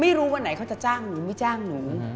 วันไหนเขาจะจ้างหนูไม่จ้างหนู